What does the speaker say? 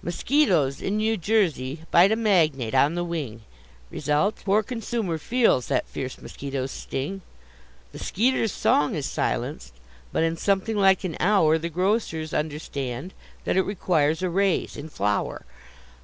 Mosquitoes in New Jersey bite a magnate on the wing Result: the poor consumer feels that fierce mosquito's sting: The skeeter's song is silenced, but in something like an hour The grocers understand that it requires a raise in flour.